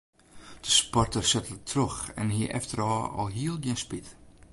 De sporter sette troch en hie efterôf alhiel gjin spyt.